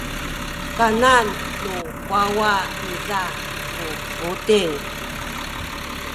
kanan nu wawa niza ku buting.